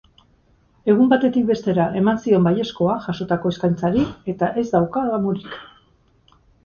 Egun batetik bestera eman zion baiezkoa jasotako eskaintzari eta ez dauka damurik.